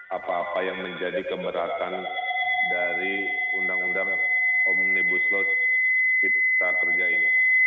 apa apa yang menjadi keberatan dari undang undang omnibus law cipta kerja ini